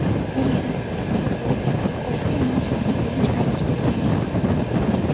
როდესაც მე ის პირველად ვნახე კორტზე, მან ჩემზე დიდი შთაბეჭდილება მოახდინა.